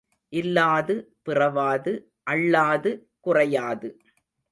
இல்லாது பிறவாது அள்ளாது குறையாது.